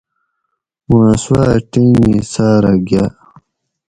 مہ سوا ٹِنگی ساۤرہ گاۤ